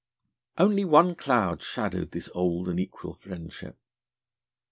Only one cloud shadowed this old and equal friendship.